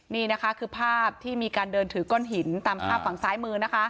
นี่นะคะคือภาพที่มีการเดินถือก้อนหินตามภาพฝั่งซ้ายมือนะคะ